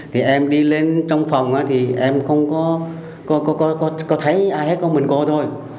thì em đi lên trong phòng thì em không có cô thấy ai hết có mình cô thôi